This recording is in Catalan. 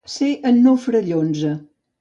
Ser en Nofre Llonze.